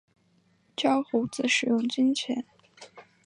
教猴子使用金钱